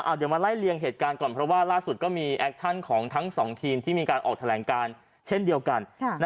เดี๋ยวมาไล่เลี่ยงเหตุการณ์ก่อนเพราะว่าล่าสุดก็มีแอคชั่นของทั้งสองทีมที่มีการออกแถลงการเช่นเดียวกัน